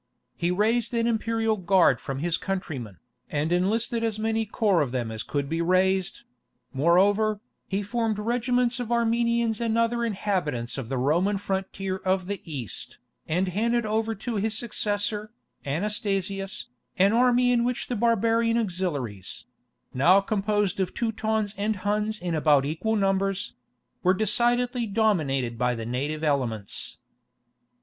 He raised an imperial guard from his countrymen, and enlisted as many corps of them as could be raised; moreover, he formed regiments of Armenians and other inhabitants of the Roman frontier of the East, and handed over to his successor, Anastasius, an army in which the barbarian auxiliaries—now composed of Teutons and Huns in about equal numbers—were decidedly dominated by the native elements.